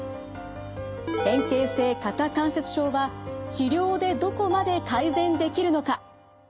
変形性肩関節症は治療でどこまで改善できるのか？